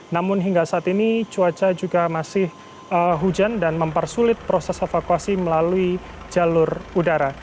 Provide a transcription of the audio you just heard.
namun hingga saat ini cuaca juga masih hujan dan mempersulit proses evakuasi melalui jalur udara